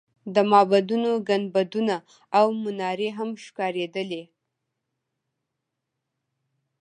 د معبدونو ګنبدونه او منارې هم ښکارېدلې.